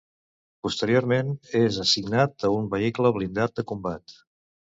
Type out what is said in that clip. Posteriorment, és assignat a un vehicle blindat de combat.